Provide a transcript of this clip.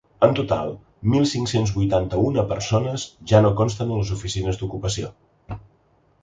En total, mil cinc-cents vuitanta-una persones ja no consten a les oficines d’ocupació.